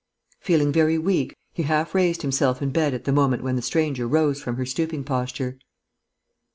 Feeling very weak, he half raised himself in bed at the moment when the stranger rose from her stooping posture.